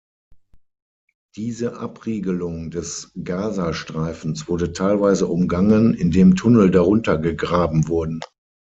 Diese Abriegelung des Gaza-Streifens wurde teilweise umgangen, indem Tunnel darunter gegraben wurden.